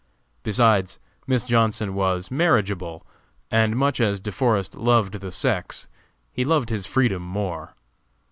Besides, Miss Johnson was marriageable, and much as De Forest loved the sex, he loved his freedom more.